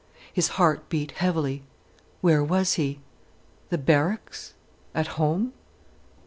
His heart beat heavily. Where was he?—the barracks—at home?